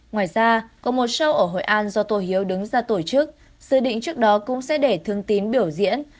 ngoài ra có một show ở hội an do tô hiếu đứng ra tổ chức dự định trước đó cũng sẽ để thương tín biểu diễn